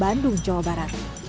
di bandung jawa barat